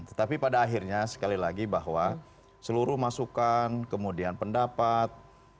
tetapi pada akhirnya sekali lagi bahwa seluruh masukan kemudian pendapat